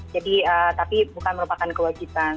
tapi bukan merupakan kewajiban